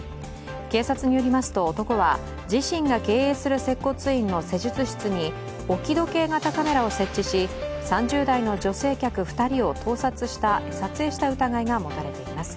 警察によりますと男は自身が経営する接骨院の施術室に置き時計型カメラを設置し３０代の女性客２人を撮影した疑いが持たれています。